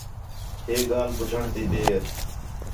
ہے ڳالھ ٻُجھݨ تی دیر